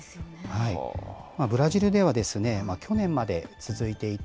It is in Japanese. ブラジルでは去年まで続いていた